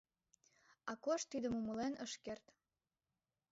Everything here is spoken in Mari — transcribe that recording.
Акош тидым умылен ыш керт.